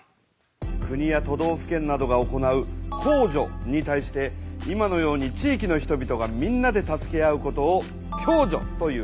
国や都道府県などが行う公助に対して今のように地域の人々がみんなで助け合うことを共助という。